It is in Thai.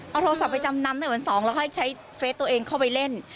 เอาโทรศัพท์ไปจำนำในวันสองแล้วค่อยใช้เฟสตัวเองเข้าไปเล่น